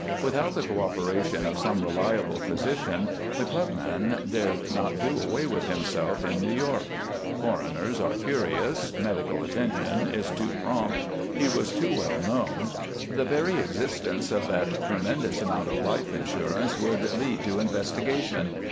Without the co operation of some reliable physician the clubman dared not do away with himself in New York; coroners are curious, medical attention is too prompt, he was too well known, the very existence of that tremendous amount of life insurance would lead to investigation.